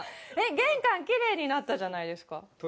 玄関、きれいになったじゃないですか。